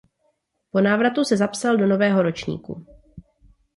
Po návratu se zapsal do nového ročníku.